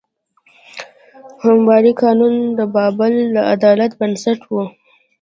حموربي قانون د بابل د عدالت بنسټ و.